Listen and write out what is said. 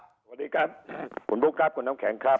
สวัสดีครับคุณบุ๊คครับคุณน้ำแข็งครับ